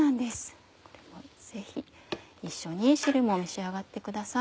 ぜひ一緒に汁も召し上がってください。